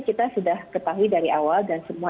kita sudah ketahui dari awal dan semua